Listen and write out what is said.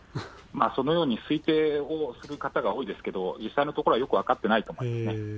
そのように推定をする方が多いですけど、実際のところはよく分かっていないと思いますね。